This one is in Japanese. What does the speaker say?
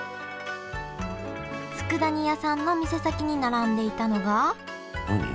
つくだ煮屋さんの店先に並んでいたのが何？